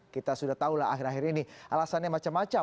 kita sudah tahu lah akhir akhir ini alasannya macam macam